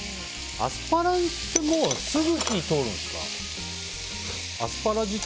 アスパラってすぐに火が通るんですか？